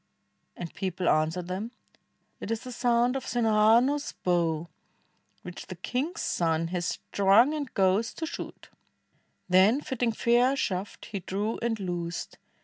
and people answered them, "It is the sound of Sinhahanu's bow, Which the king's son has strung and goes to shoot"; Then fitting fair a shaft, he drew and loosed.